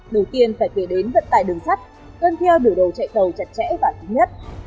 đầu tiên phải kể đến vận tải đường sắt gần theo điều đồ chạy tàu chặt chẽ và tính nhất